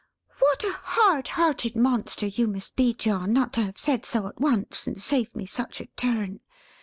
"What a hard hearted monster you must be, John, not to have said so, at once, and saved me such a turn!